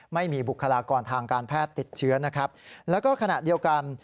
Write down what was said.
ไม่มีบุคลากรทางการแพทย์ติดเชื้อนะครับแล้วก็ขณะเดียวกัน